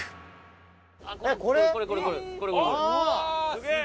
すげえ！